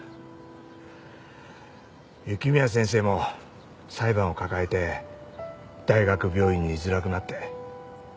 雪宮先生も裁判を抱えて大学病院に居づらくなって。